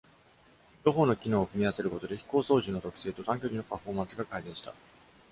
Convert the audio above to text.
両方の機能を組み合わせることで、飛行操縦の特性と、短距離のパフォーマンスが改善した。